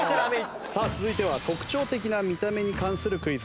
続いては特徴的な見た目に関するクイズです。